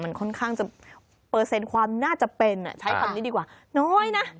มันค่อนข้างจะเปอร์เซ็นต์ความน่าจะเป็นใช้คำนี้ดีกว่าน้อยนะ